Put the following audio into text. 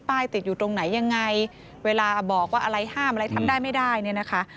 ติดอยู่ตรงไหนยังไงเวลาบอกว่าอะไรห้ามอะไรทำได้ไม่ได้เนี่ยนะคะ